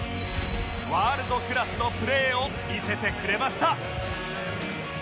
ワールドクラスのプレーを見せてくれました